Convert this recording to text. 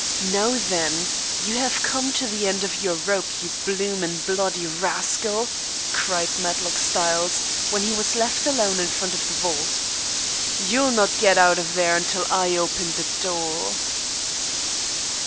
"Now, then, you have come to the end of your rope, you bloomin', bloody rascal!" cried Matlock Styles, when he was left alone in front of the vault. "You'll not get out of there until I open the door."